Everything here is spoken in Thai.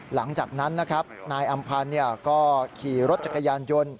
หลังจากนั้นนะครับนายอำพันธ์ก็ขี่รถจักรยานยนต์